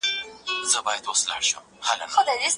که عصري سیستم وي، کارونه ژر خلاصیږي.